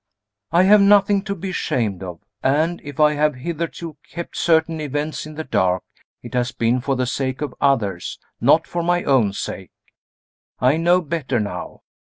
I have nothing to be ashamed of and, if I have hitherto kept certain events in the dark, it has been for the sake of others, not for my own sake. I know better now.